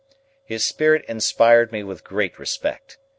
His spirit inspired me with great respect.